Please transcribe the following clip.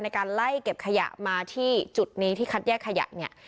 ในการไล่เก็บขยะมาที่จุดนี้ที่คัดแยกขยะเนี่ย